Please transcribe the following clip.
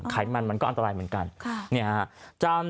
ไขมันมันก็อันตรายเหมือนกัน